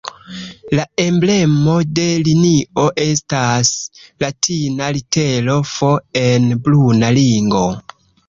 La emblemo de linio estas latina litero "F" en bruna ringo.